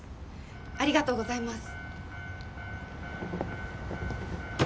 ありがとうございます！